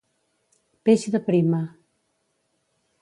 Peix de prima.